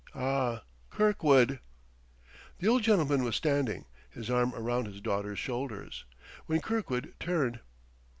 Ah Kirkwood!" The old gentleman was standing, his arm around his daughter's shoulders, when Kirkwood turned.